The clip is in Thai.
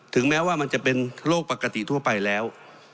แม้ว่ามันจะเป็นโรคปกติทั่วไปแล้ว